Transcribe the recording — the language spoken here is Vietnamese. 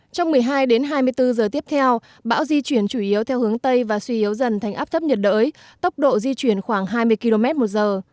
trong một mươi hai đến hai mươi bốn giờ tiếp theo bão di chuyển chủ yếu theo hướng tây và suy yếu dần thành áp thấp nhiệt đới tốc độ di chuyển khoảng hai mươi km một giờ